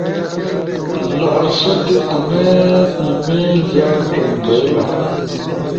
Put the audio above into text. و لا آسوتے انئی ای میل جا ڇوئنگ بئیلا۔